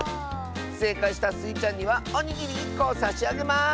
せいかいしたスイちゃんにはおにぎり１こをさしあげます！